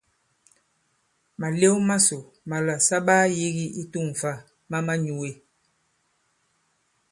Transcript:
Màlew masò màlà sa ɓaa yīgi i tu᷇ŋ fâ ma manyūe.